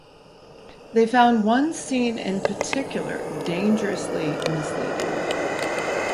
They found one scene in particular dangerously misleading.